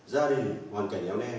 gia đình hoàn cảnh éo ne